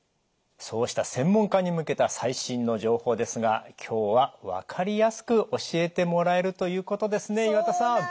そうした専門家に向けた最新の情報ですが今日は分かりやすく教えてもらえるということですね岩田さん。